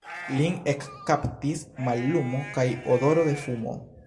Lin ekkaptis mallumo kaj odoro de fumo.